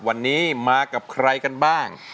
วันนี้มากับใครกันบ้าง